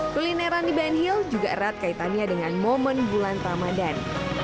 kulineran di ben hill juga erat kaitannya dengan momen bulan ramadan